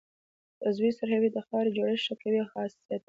عضوي سرې د خاورې جوړښت ښه کوي او حاصل زیاتوي.